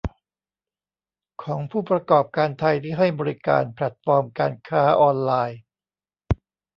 ของผู้ประกอบการไทยที่ให้บริการแพลตฟอร์มการค้าออนไลน์